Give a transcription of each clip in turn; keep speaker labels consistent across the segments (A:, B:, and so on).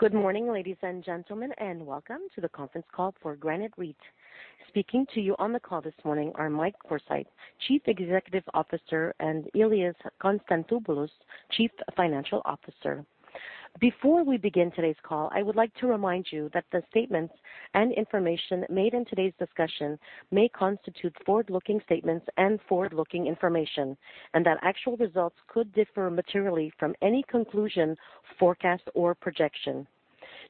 A: Good morning, ladies and gentlemen, and welcome to the conference call for Granite REIT. Speaking to you on the call this morning are Michael Forsayeth, Chief Executive Officer, and Ilias Konstantopoulos, Chief Financial Officer. Before we begin today's call, I would like to remind you that the statements and information made in today's discussion may constitute forward-looking statements and forward-looking information, and that actual results could differ materially from any conclusion, forecast, or projection.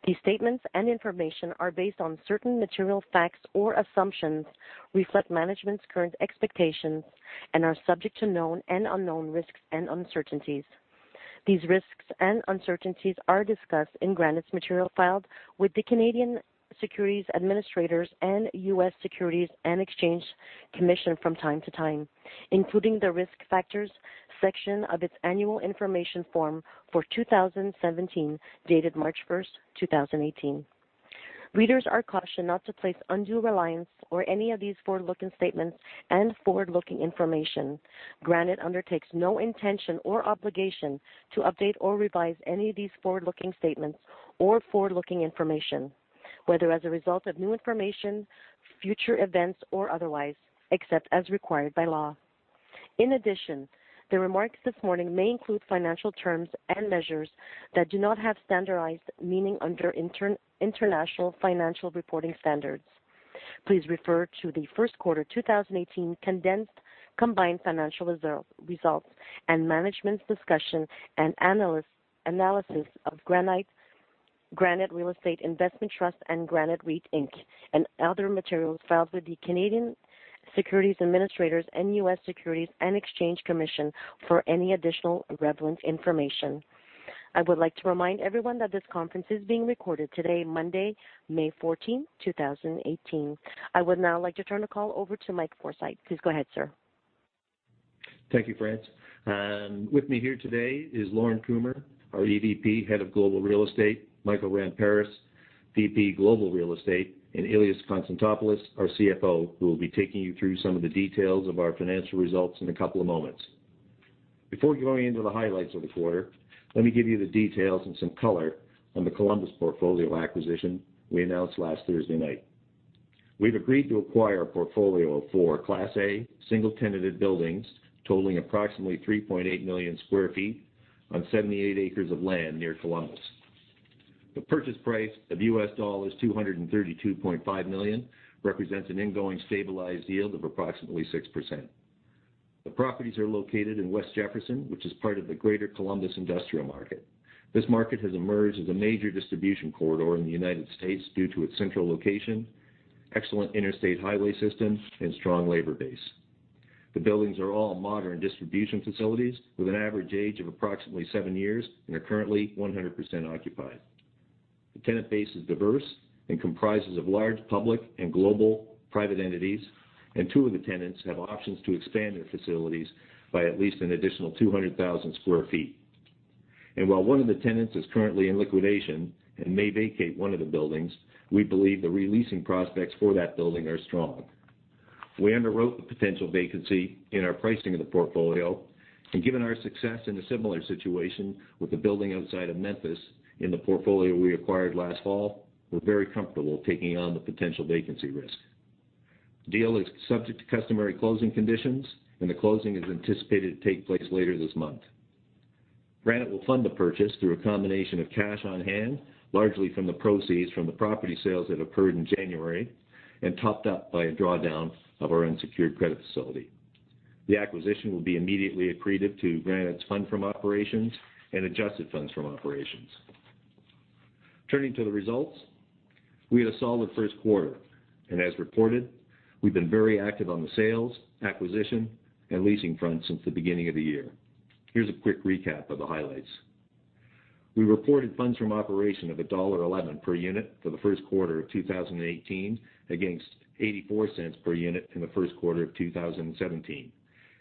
A: These statements and information are based on certain material facts or assumptions, reflect management's current expectations, and are subject to known and unknown risks and uncertainties. These risks and uncertainties are discussed in Granite's material filed with the Canadian Securities Administrators and U.S. Securities and Exchange Commission from time to time, including the Risk Factors section of its annual information form for 2017, dated March 1st, 2018. Readers are cautioned not to place undue reliance on any of these forward-looking statements and forward-looking information. Granite undertakes no intention or obligation to update or revise any of these forward-looking statements or forward-looking information, whether as a result of new information, future events, or otherwise, except as required by law. In addition, the remarks this morning may include financial terms and measures that do not have standardized meaning under International Financial Reporting Standards. Please refer to the first quarter 2018 condensed combined financial results and management's discussion and analysis of Granite Real Estate Investment Trust and Granite REIT Inc., and other materials filed with the Canadian Securities Administrators and U.S. Securities and Exchange Commission for any additional relevant information. I would like to remind everyone that this conference is being recorded today, Monday, May 14th, 2018. I would now like to turn the call over to Michael Forsayeth. Please go ahead, sir.
B: Thank you, Frances. With me here today is Lorne Kumer, our EVP, Head of Global Real Estate, Michael Grandin, VP Global Real Estate, and Ilias Konstantopoulos, our CFO, who will be taking you through some of the details of our financial results in a couple of moments. Before going into the highlights of the quarter, let me give you the details and some color on the Columbus portfolio acquisition we announced last Thursday night. We've agreed to acquire a portfolio of four Class A single-tenanted buildings totaling approximately 3.8 million sq ft on 78 acres of land near Columbus. The purchase price of $232.5 million represents an ingoing stabilized yield of approximately 6%. The properties are located in West Jefferson, which is part of the Greater Columbus industrial market. This market has emerged as a major distribution corridor in the U.S. due to its central location, excellent interstate highway systems, and strong labor base. The buildings are all modern distribution facilities with an average age of approximately seven years and are currently 100% occupied. The tenant base is diverse and comprises of large public and global private entities. Two of the tenants have options to expand their facilities by at least an additional 200,000 sq ft. While one of the tenants is currently in liquidation and may vacate one of the buildings, we believe the re-leasing prospects for that building are strong. We underwrote the potential vacancy in our pricing of the portfolio, and given our success in a similar situation with the building outside of Memphis in the portfolio we acquired last fall, we're very comfortable taking on the potential vacancy risk. The deal is subject to customary closing conditions, and the closing is anticipated to take place later this month. Granite will fund the purchase through a combination of cash on hand, largely from the proceeds from the property sales that occurred in January and topped up by a drawdown of our unsecured credit facility. The acquisition will be immediately accretive to Granite's funds from operations and adjusted funds from operations. Turning to the results, we had a solid first quarter, and as reported, we've been very active on the sales, acquisition, and leasing front since the beginning of the year. Here's a quick recap of the highlights. We reported funds from operations of $1.11 per unit for the first quarter of 2018 against $0.84 per unit in the first quarter of 2017.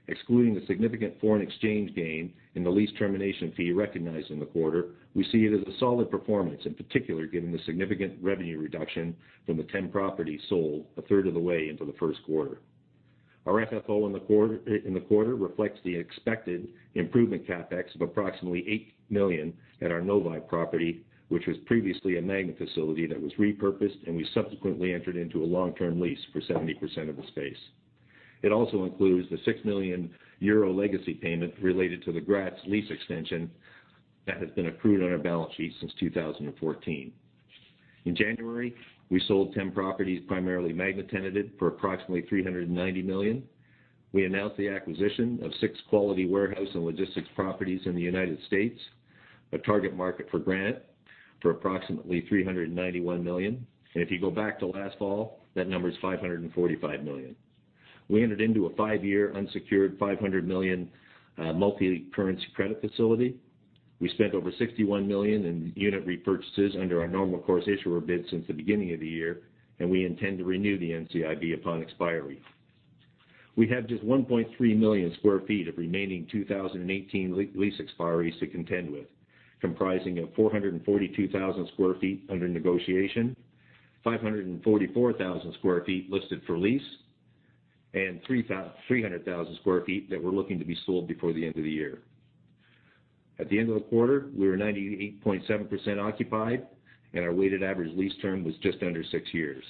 B: Excluding the significant foreign exchange gain and the lease termination fee recognized in the quarter, we see it as a solid performance, in particular, given the significant revenue reduction from the 10 properties sold a third of the way into the first quarter. Our FFO in the quarter reflects the expected improvement CapEx of approximately $8 million at our Novi property, which was previously a Magna facility that was repurposed, and we subsequently entered into a long-term lease for 70% of the space. It also includes the 6 million euro legacy payment related to the Graz lease extension that has been accrued on our balance sheet since 2014. In January, we sold 10 properties, primarily Magna-tenanted, for approximately $390 million. We announced the acquisition of six quality warehouse and logistics properties in the U.S., a target market for Granite, for approximately $391 million. If you go back to last fall, that number is $545 million. We entered into a five-year unsecured, $500 million multi-currency credit facility. We spent over $61 million in unit repurchases under our Normal Course Issuer Bid since the beginning of the year, and we intend to renew the NCIB upon expiry. We have just 1.3 million sq ft of remaining 2018 lease expiries to contend with, comprising of 442,000 sq ft under negotiation, 544,000 sq ft listed for lease, and 300,000 sq ft that we're looking to be sold before the end of the year. At the end of the quarter, we were 98.7% occupied, and our weighted average lease term was just under six years.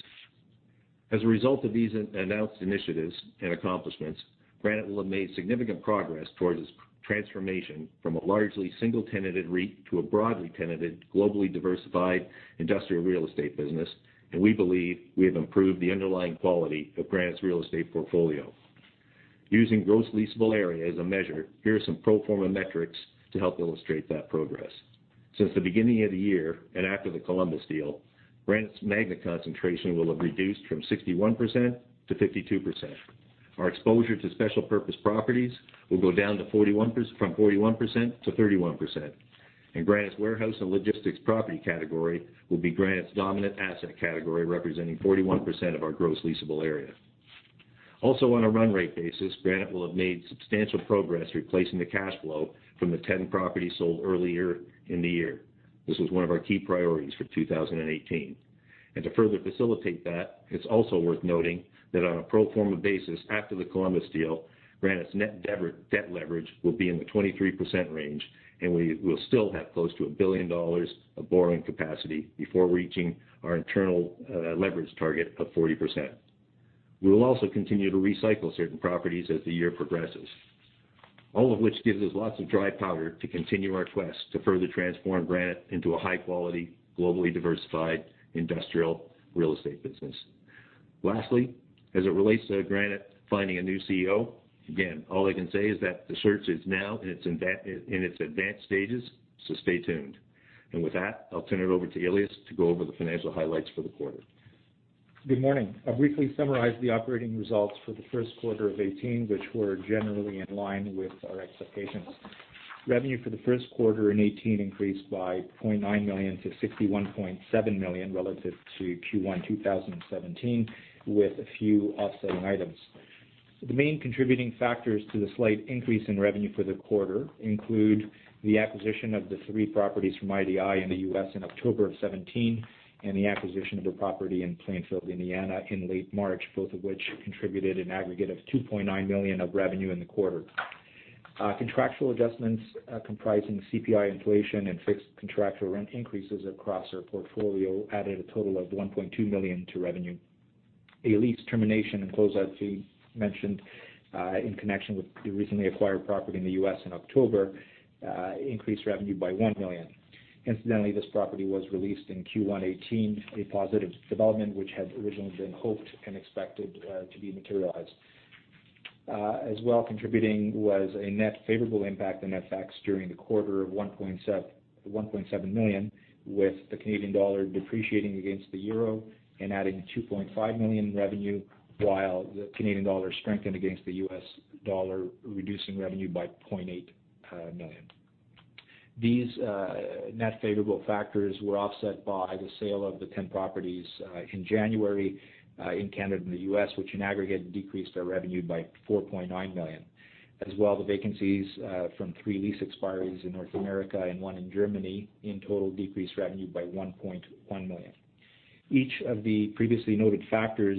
B: As a result of these announced initiatives and accomplishments, Granite will have made significant progress towards its transformation from a largely single-tenanted REIT to a broadly tenanted, globally diversified industrial real estate business, and we believe we have improved the underlying quality of Granite's real estate portfolio. Using gross leasable area as a measure, here are some pro forma metrics to help illustrate that progress. Since the beginning of the year, after the Columbus deal, Granite's Magna concentration will have reduced from 61% to 52%. Our exposure to special purpose properties will go down from 41% to 31%. Granite's warehouse and logistics property category will be Granite's dominant asset category, representing 41% of our gross leasable area. Also, on a run rate basis, Granite will have made substantial progress replacing the cash flow from the 10 properties sold earlier in the year. This was one of our key priorities for 2018. To further facilitate that, it's also worth noting that on a pro forma basis, after the Columbus deal, Granite's net debt leverage will be in the 23% range, and we will still have close to 1 billion dollars of borrowing capacity before reaching our internal leverage target of 40%. We will also continue to recycle certain properties as the year progresses. All of which gives us lots of dry powder to continue our quest to further transform Granite into a high-quality, globally diversified industrial real estate business. Lastly, as it relates to Granite finding a new CEO, again, all I can say is that the search is now in its advanced stages, stay tuned. With that, I'll turn it over to Ilias to go over the financial highlights for the quarter.
C: Good morning. I'll briefly summarize the operating results for the first quarter of 2018, which were generally in line with our expectations. Revenue for the first quarter in 2018 increased by 0.9 million to 61.7 million relative to Q1 2017, with a few offsetting items. The main contributing factors to the slight increase in revenue for the quarter include the acquisition of the three properties from IDI in the U.S. in October of 2017, and the acquisition of a property in Plainfield, Indiana, in late March, both of which contributed an aggregate of 2.9 million of revenue in the quarter. Contractual adjustments comprising CPI inflation and fixed contractual rent increases across our portfolio added a total of 1.2 million to revenue. A lease termination and close-out fee mentioned in connection with the recently acquired property in the U.S. in October increased revenue by 1 million. Incidentally, this property was re-leased in Q1 2018, a positive development which had originally been hoped and expected to be materialized. Contributing was a net favorable impact on FX during the quarter of 1.7 million, with the Canadian dollar depreciating against the EUR and adding 2.5 million in revenue, while the Canadian dollar strengthened against the U.S. dollar, reducing revenue by 0.8 million. These net favorable factors were offset by the sale of the 10 properties in January in Canada and the U.S., which in aggregate decreased our revenue by 4.9 million. The vacancies from three lease expiries in North America and one in Germany in total decreased revenue by 1.1 million. Each of the previously noted factors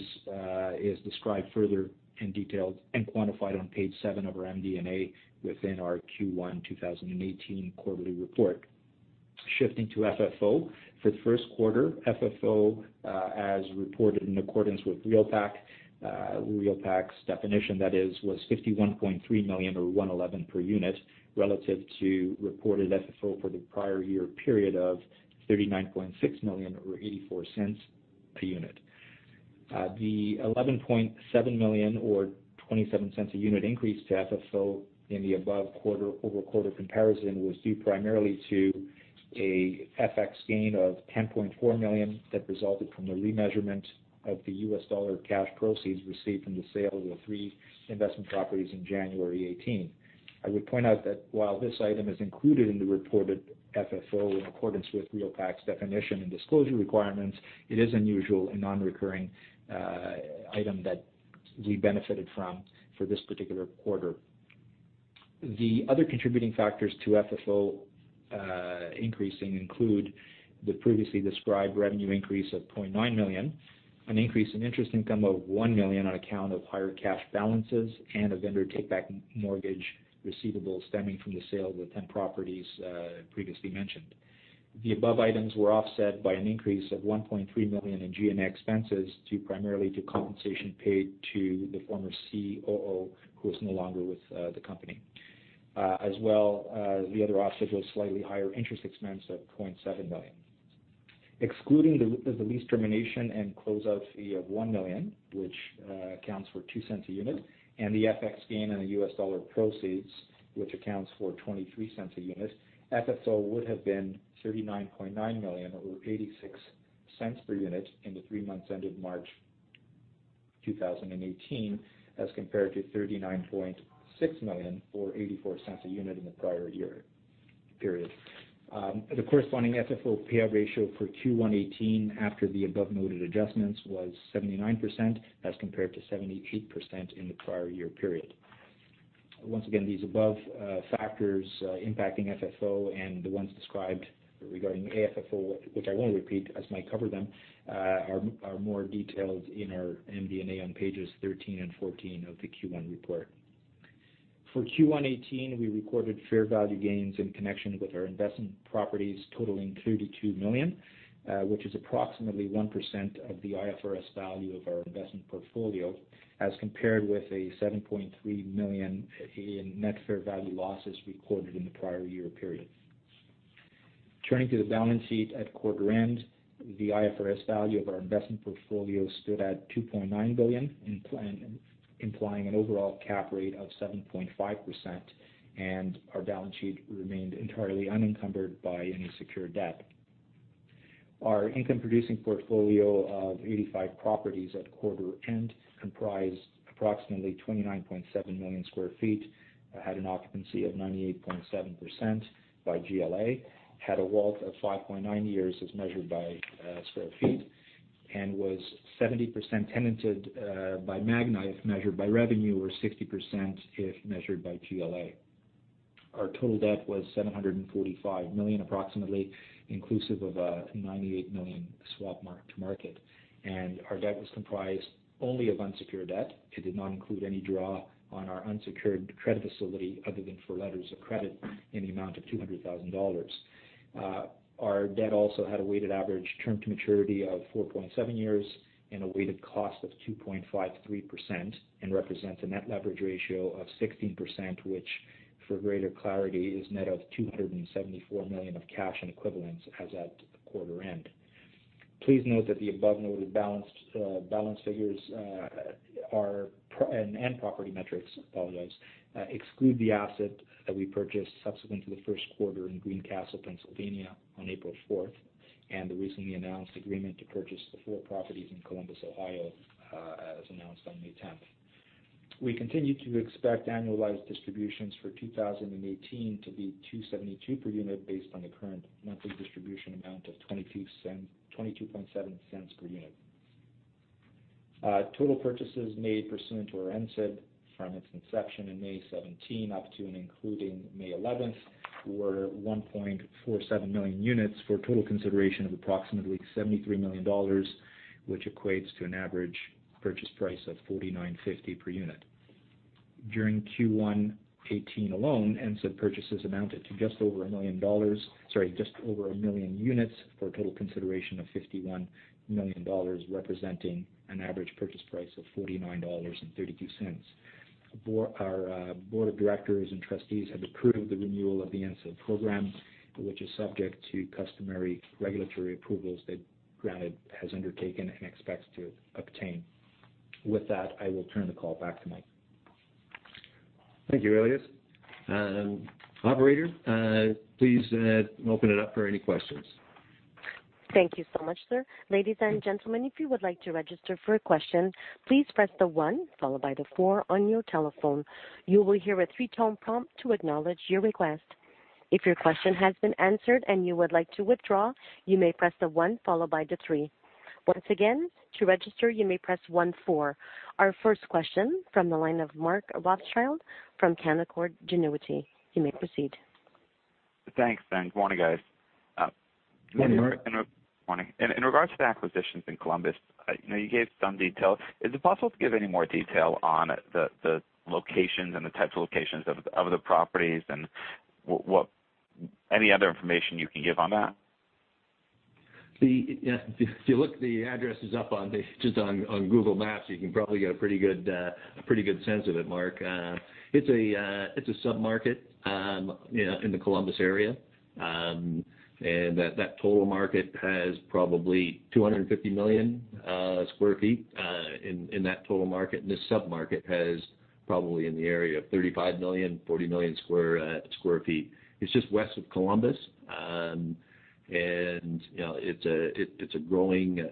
C: is described further in detail and quantified on page seven of our MD&A within our Q1 2018 quarterly report. Shifting to FFO. For the first quarter, FFO, as reported in accordance with REALPAC's definition, that is, was 51.3 million, or 1.11 per unit, relative to reported FFO for the prior year period of 39.6 million, or 0.84 per unit. The 11.7 million, or 0.27 a unit increase to FFO in the above over quarter comparison was due primarily to a FX gain of 10.4 million that resulted from the remeasurement of the U.S. dollar cash proceeds received from the sale of the three investment properties in January 2018. I would point out that while this item is included in the reported FFO in accordance with REALPAC's definition and disclosure requirements, it is unusual and non-recurring item that we benefited from for this particular quarter. The other contributing factors to FFO increasing include the previously described revenue increase of 0.9 million, an increase in interest income of 1 million on account of higher cash balances, and a vendor take-back mortgage receivable stemming from the sale of the 10 properties previously mentioned. The above items were offset by an increase of 1.3 million in G&A expenses due primarily to compensation paid to the former COO, who is no longer with the company. The other offset was slightly higher interest expense of 0.7 million. Excluding the lease termination and close-out fee of 1 million, which accounts for 0.02 a unit, and the FX gain on the U.S. dollar proceeds, which accounts for 0.23 a unit, FFO would have been 39.9 million, or 0.86 per unit in the three months ended March 2018, as compared to 39.6 million, or 0.84 a unit, in the prior year. Period. The corresponding FFO pay-out ratio for Q1 2018 after the above-noted adjustments was 79%, as compared to 78% in the prior year period. These above factors impacting FFO and the ones described regarding AFFO, which I won't repeat as Mike covered them, are more detailed in our MD&A on pages 13 and 14 of the Q1 report. For Q1 2018, we recorded fair value gains in connection with our investment properties totaling 32 million, which is approximately 1% of the IFRS value of our investment portfolio, as compared with a 7.3 million in net fair value losses recorded in the prior year period. Turning to the balance sheet at quarter end, the IFRS value of our investment portfolio stood at 2.9 billion, implying an overall cap rate of 7.5%, and our balance sheet remained entirely unencumbered by any secured debt. Our income-producing portfolio of 85 properties at quarter end comprised approximately 29.7 million sq ft, had an occupancy of 98.7% by GLA, had a WALT of 5.9 years as measured by sq ft, and was 70% tenanted by Magna if measured by revenue, or 60% if measured by GLA. Our total debt was 745 million, approximately inclusive of a 98 million swap marked to market. Our debt was comprised only of unsecured debt. It did not include any draw on our unsecured credit facility other than for letters of credit in the amount of 200,000 dollars. Our debt also had a weighted average term to maturity of 4.7 years and a weighted cost of 2.53%, and represents a net leverage ratio of 16%, which, for greater clarity, is net of 274 million of cash and equivalents as at the quarter end. Please note that the above-noted balance figures and property metrics exclude the asset that we purchased subsequent to the first quarter in Greencastle, Pennsylvania, on April 4th, and the recently announced agreement to purchase the four properties in Columbus, Ohio, as announced on May 10th. We continue to expect annualized distributions for 2018 to be 2.72 per unit, based on the current monthly distribution amount of 0.227 per unit. Total purchases made pursuant to our NCIB from its inception in May 2017 up to and including May 11th, were 1.47 million units for total consideration of approximately 73 million dollars, which equates to an average purchase price of 49.50 per unit. During Q1 2018 alone, NCIB purchases amounted to just over 1 million units for a total consideration of 51 million dollars, representing an average purchase price of 49.32 dollars. Our board of directors and trustees have approved the renewal of the NCIB program, which is subject to customary regulatory approvals that Granite has undertaken and expects to obtain. With that, I will turn the call back to Mike.
B: Thank you, Ilias. Operator, please open it up for any questions.
A: Thank you so much, sir. Ladies and gentlemen, if you would like to register for a question, please press the one followed by the four on your telephone. You will hear a three-tone prompt to acknowledge your request. If your question has been answered and you would like to withdraw, you may press the one followed by the three. Once again, to register, you may press one-four. Our first question from the line of Mark Rothschild from Canaccord Genuity. You may proceed.
D: Thanks. Morning, guys.
B: Morning.
D: In regards to the acquisitions in Columbus, you gave some detail. Is it possible to give any more detail on the locations and the types of locations of the properties and any other information you can give on that?
B: If you look the addresses up just on Google Maps, you can probably get a pretty good sense of it, Mark. It's a sub-market in the Columbus area. That total market has probably 250 million sq ft in that total market. This sub-market has probably in the area of 35 million, 40 million sq ft. It's just west of Columbus. It's a growing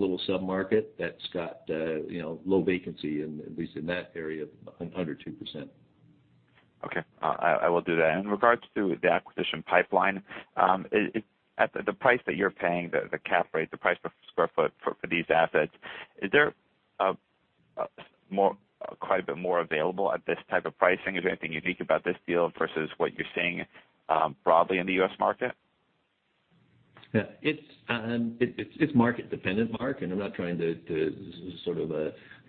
B: little sub-market that's got low vacancy, at least in that area, under 2%.
D: Okay. I will do that. In regards to the acquisition pipeline, at the price that you're paying, the cap rate, the price per sq ft for these assets, is there quite a bit more available at this type of pricing? Is there anything unique about this deal versus what you're seeing broadly in the U.S. market?
B: Yeah. It's market-dependent, Mark, I'm not trying to sort of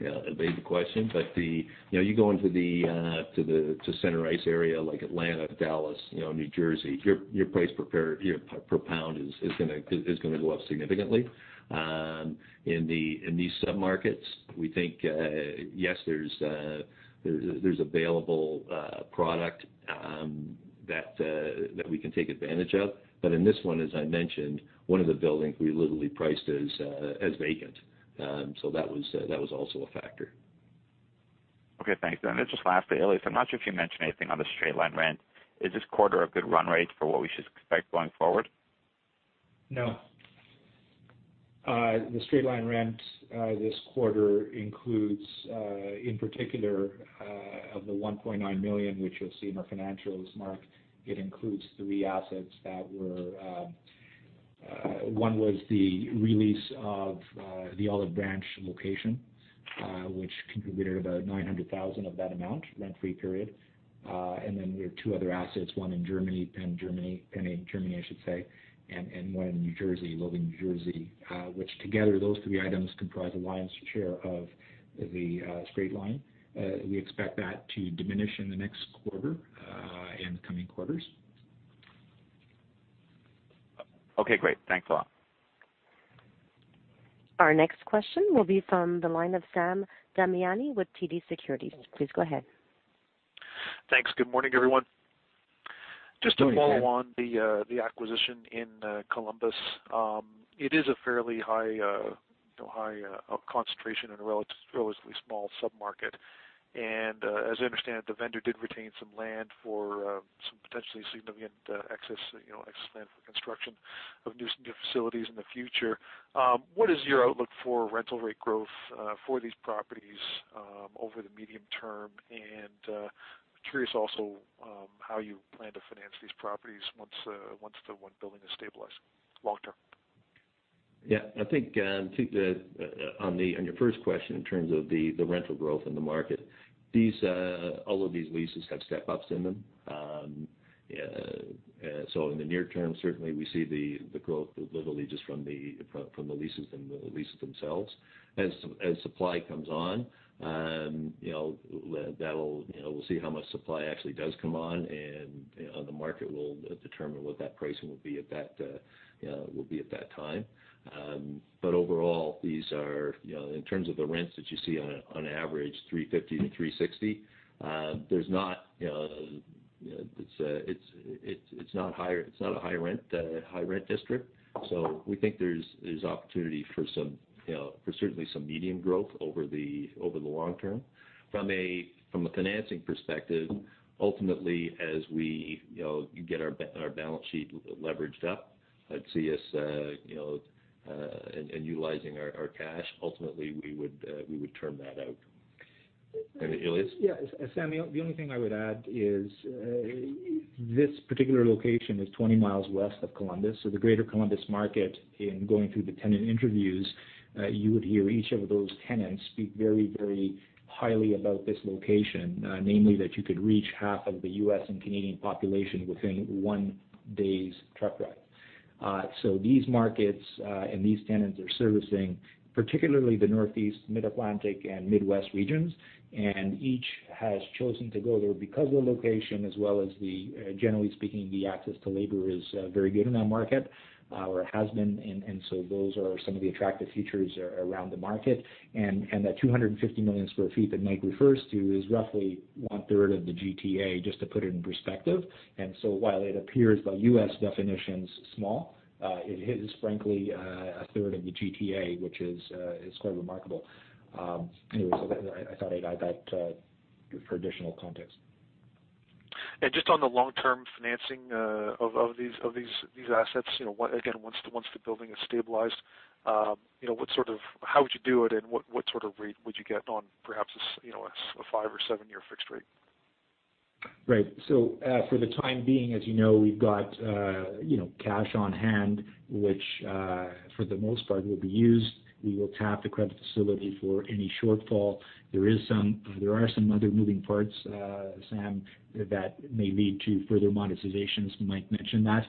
B: evade the question, you go into center ice area like Atlanta, Dallas, New Jersey, your price per pound is going to go up significantly. In these sub-markets, we think, yes, there's available product that we can take advantage of. In this one, as I mentioned, one of the buildings we literally priced as vacant. That was also a factor.
D: Okay, thanks. Just lastly, Ilias, I'm not sure if you mentioned anything on the straight line rent. Is this quarter a good run rate for what we should expect going forward?
C: No. The straight-line rent this quarter includes, in particular, of the $1.9 million, which you'll see in our financials, Mark, it includes three assets. One was the release of the Olive Branch location, which contributed about $900,000 of that amount rent-free period. We have two other assets, one in Germany, Peine, Germany, I should say, and one in New Jersey, Logan, New Jersey, which together those three items comprise the lion's share of the straight line. We expect that to diminish in the next quarter, and coming quarters.
D: Okay, great. Thanks a lot.
A: Our next question will be from the line of Sam Damiani with TD Securities. Please go ahead.
E: Thanks. Good morning, everyone.
C: Good morning, Sam.
E: Just to follow on the acquisition in Columbus. It is a fairly high concentration in a relatively small sub-market. As I understand it, the vendor did retain some land for some potentially significant excess land for construction of new facilities in the future. What is your outlook for rental rate growth for these properties over the medium term? I'm curious also how you plan to finance these properties once the one building is stabilized long term.
B: I think on your first question in terms of the rental growth in the market, all of these leases have step-ups in them. In the near term, certainly we see the growth literally just from the leases and the leases themselves. As supply comes on, we'll see how much supply actually does come on, and the market will determine what that pricing will be at that time. Overall, in terms of the rents that you see, on average 3.50-3.60. It's not a high rent district. We think there's opportunity for certainly some medium growth over the long term. From a financing perspective, ultimately, as we get our balance sheet leveraged up, I'd see us, and utilizing our cash. Ultimately, we would term that out. Ilias?
C: Sam, the only thing I would add is this particular location is 20 miles west of Columbus. The greater Columbus market, in going through the tenant interviews, you would hear each of those tenants speak very highly about this location. Namely that you could reach half of the U.S. and Canadian population within one day's truck ride. These markets, and these tenants are servicing particularly the Northeast, Mid-Atlantic, and Midwest regions. Each has chosen to go there because of the location as well as, generally speaking, the access to labor is very good in that market, or has been. Those are some of the attractive features around the market. That 250 million square feet that Mike refers to is roughly one-third of the GTA, just to put it in perspective. While it appears by U.S. definitions small, it is frankly a third of the GTA, which is quite remarkable. Anyways, I thought I'd add that for additional context.
E: Just on the long-term financing of these assets, again, once the building is stabilized, how would you do it, and what sort of rate would you get on perhaps a five or seven-year fixed rate?
C: Right. For the time being, as you know, we've got cash on hand, which, for the most part, will be used. We will tap the credit facility for any shortfall. There are some other moving parts, Sam, that may lead to further monetizations. Mike mentioned that.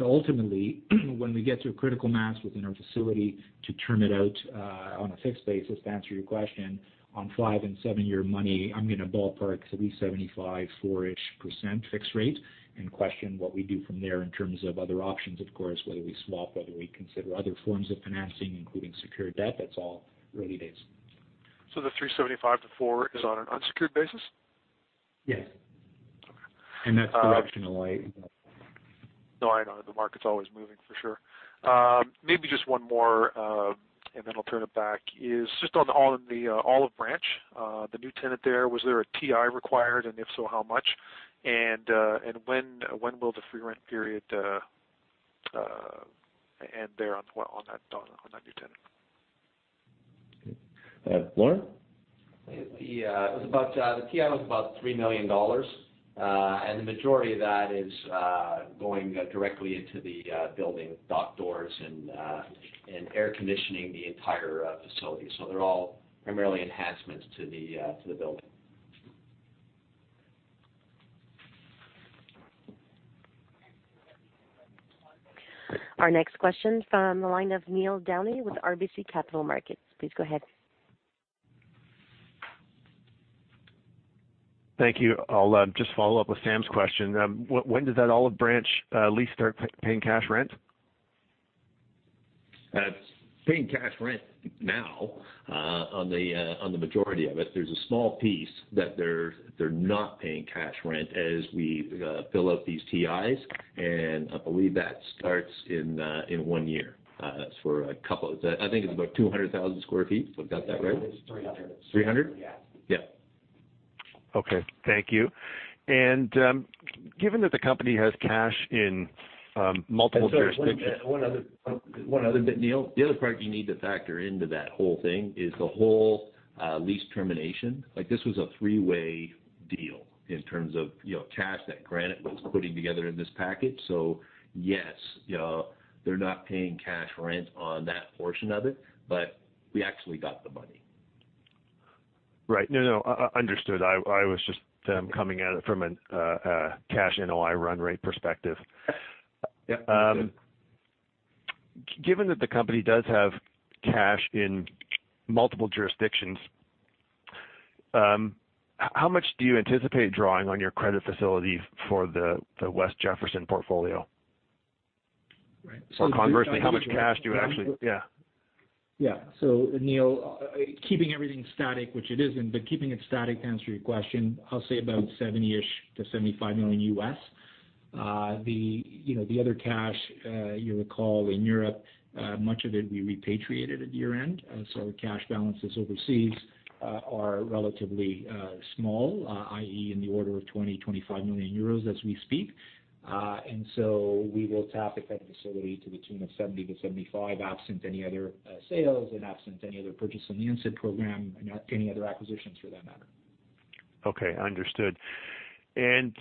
C: Ultimately, when we get to a critical mass within our facility to term it out on a fixed basis, to answer your question, on five- and seven-year money, I'm going to ballpark 375, four-ish percent fixed rate and question what we do from there in terms of other options, of course, whether we swap, whether we consider other forms of financing, including secured debt. That's all really it is.
E: The 375 to 4 is on an unsecured basis?
C: Yes.
E: Okay.
B: That's directionally.
E: No, I know. The market's always moving, for sure. Maybe just one more, and then I'll turn it back, is just on the Olive Branch, the new tenant there, was there a TI required, and if so, how much? When will the free rent period end there on that new tenant?
B: Lorne?
F: The TI was about $3 million. The majority of that is going directly into the building, dock doors and air conditioning the entire facility. They're all primarily enhancements to the building.
A: Our next question from the line of Neil Downey with RBC Capital Markets. Please go ahead.
G: Thank you. I'll just follow up with Sam's question. When does that Olive Branch lease start paying cash rent?
B: It's paying cash rent now, on the majority of it. There's a small piece that they're not paying cash rent as we fill out these TIs, and I believe that starts in one year. I think it's about 200,000 sq ft. We've got that right?
F: It's 300.
B: 300?
F: Yeah.
G: Okay. Thank you. Given that the company has cash in multiple jurisdictions.
B: Sorry, one other bit, Neil. The other part you need to factor into that whole thing is the whole lease termination. This was a three-way deal in terms of cash that Granite was putting together in this package. Yes, they're not paying cash rent on that portion of it, but we actually got the money.
G: Right. No, understood. I was just coming at it from a cash NOI run rate perspective.
B: Yep. Understood.
G: Given that the company does have cash in multiple jurisdictions, how much do you anticipate drawing on your credit facility for the West Jefferson portfolio?
B: Right.
G: Conversely, how much cash do you Yeah.
C: Yeah. Neil, keeping everything static, which it isn't, but keeping it static to answer your question, I'll say about $70 million-$75 million U.S. The other cash, you'll recall in Europe, much of it we repatriated at year-end. The cash balances overseas are relatively small, i.e., in the order of 20 million, 25 million euros as we speak. We will tap at that facility to between a 70 to 75, absent any other sales and absent any other purchase on the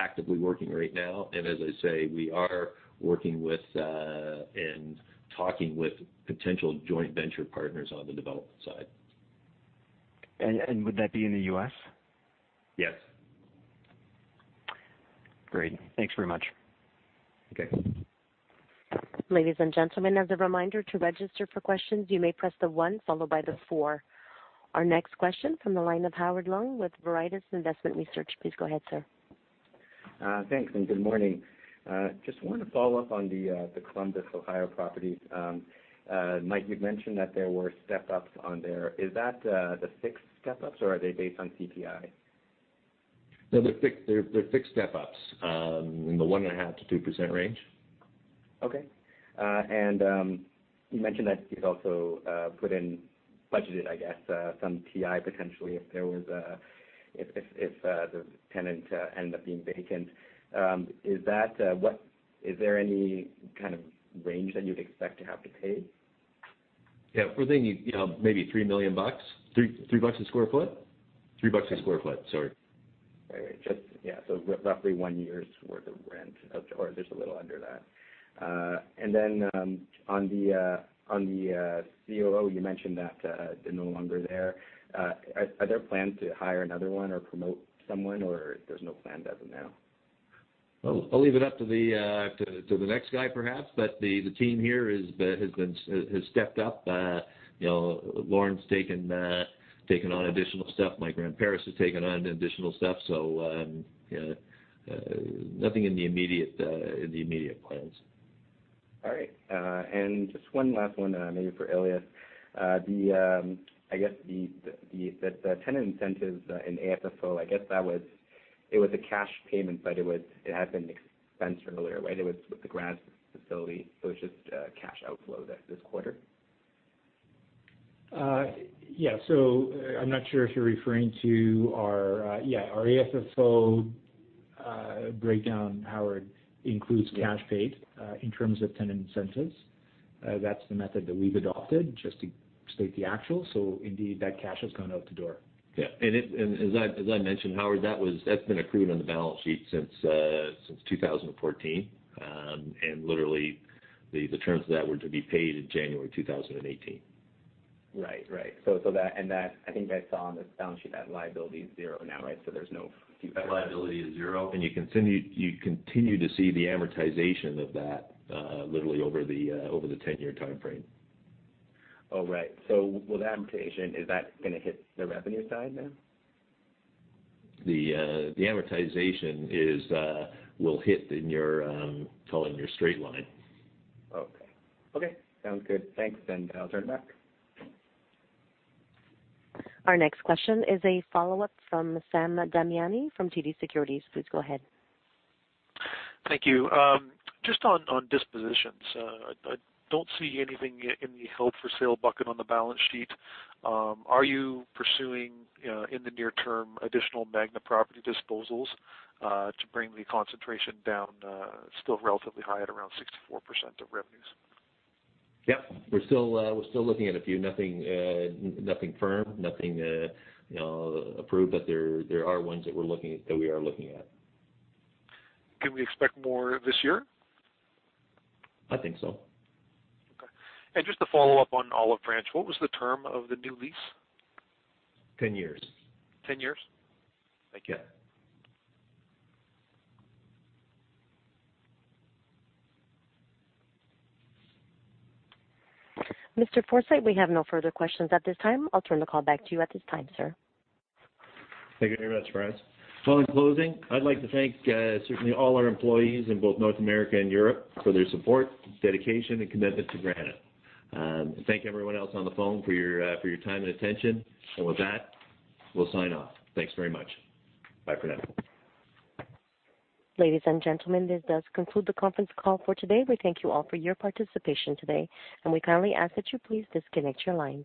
B: Actively working right now. As I say, we are working with, and talking with potential joint venture partners on the development side.
G: Would that be in the U.S.?
B: Yes.
G: Great. Thanks very much.
B: Okay.
A: Ladies and gentlemen, as a reminder, to register for questions, you may press the one followed by the four. Our next question from the line of Howard Leung with Veritas Investment Research. Please go ahead, sir.
H: Thanks. Good morning. Just wanted to follow up on the Columbus, Ohio property. Mike, you'd mentioned that there were step-ups on there. Is that the fixed step-ups or are they based on CPI?
B: No, they're fixed step-ups, in the 1.5%-2% range.
H: Okay. You mentioned that you'd also put in, budgeted I guess, some TI potentially if the tenant ended up being vacant. Is there any kind of range that you'd expect to have to pay?
B: Yeah. We're thinking maybe 3 million bucks. 3 bucks a sq ft? 3 bucks a sq ft, sorry.
H: Right. So roughly one year's worth of rent, or just a little under that. On the COO, you mentioned that they're no longer there. Are there plans to hire another one or promote someone, or there's no plan as of now?
B: I'll leave it up to the next guy, perhaps. The team here has stepped up. Lorne's taken on additional stuff. Michael Grandin has taken on additional stuff. Nothing in the immediate plans.
H: All right. Just one last one maybe for Ilias. The tenant incentives in AFFO, I guess that was a cash payment, but it had been expensed earlier, right? It was with the Graz facility, it's just a cash outflow this quarter?
C: Yeah. I'm not sure if you're referring to our AFFO breakdown, Howard, includes cash paid in terms of tenant incentives. That's the method that we've adopted just to state the actual. Indeed, that cash has gone out the door.
B: Yeah. As I mentioned, Howard, that's been accrued on the balance sheet since 2014. Literally, the terms of that were to be paid in January 2018.
H: Right. I think I saw on the balance sheet that liability is zero now, right?
B: That liability is zero. You continue to see the amortization of that literally over the 10-year timeframe.
H: Oh, right. With amortization, is that going to hit the revenue side now?
B: The amortization will hit in your straight line.
H: Okay. Sounds good. Thanks. I'll turn it back.
A: Our next question is a follow-up from Sam Damiani from TD Securities. Please go ahead.
E: Thank you. Just on dispositions. I don't see anything in the held-for-sale bucket on the balance sheet. Are you pursuing, in the near term, additional Magna property disposals to bring the concentration down? Still relatively high at around 64% of revenues.
B: Yep. We're still looking at a few. Nothing firm, nothing approved, there are ones that we are looking at.
E: Can we expect more this year?
B: I think so.
E: Okay. Just to follow up on Olive Branch, what was the term of the new lease?
B: 10 years.
E: 10 years? Thank you.
B: Yeah.
A: Mr. Forsayeth, we have no further questions at this time. I'll turn the call back to you at this time, sir.
B: Thank you very much, Frances. Well, in closing, I'd like to thank certainly all our employees in both North America and Europe for their support, dedication, and commitment to Granite. Thank you everyone else on the phone for your time and attention. With that, we'll sign off. Thanks very much. Bye for now.
A: Ladies and gentlemen, this does conclude the conference call for today. We thank you all for your participation today, and we kindly ask that you please disconnect your lines.